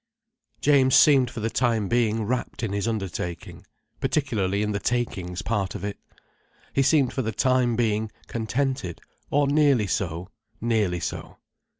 James seemed for the time being wrapt in his undertaking—particularly in the takings part of it. He seemed for the time being contented—or nearly so, nearly so.